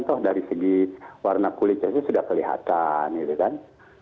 toh dari segi warna kulitnya itu sudah kelihatan gitu kan